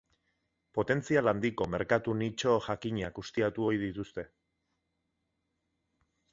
Potentzial handiko merkatu-nitxo jakinak ustiatu ohi dituzte.